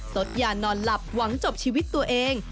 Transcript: สดยานอนหลับหวังจบชีวิตตัวเอง